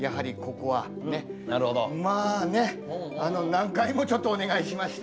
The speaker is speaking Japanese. まあね何回もちょっとお願いしまして。